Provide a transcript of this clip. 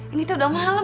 ini tuh udah malem